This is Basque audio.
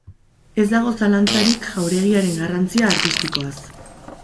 Ez dago zalantzarik jauregiaren garrantzia artistikoaz.